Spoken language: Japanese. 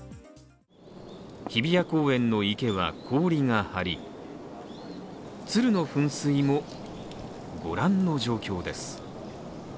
日比谷公園の池は氷が張り、鶴の噴水もご覧の状況です。